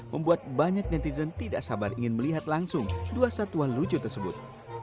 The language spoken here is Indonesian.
membuat banyak netizen tidak sabar ingin melihat langsung dua satwa lucu tersebut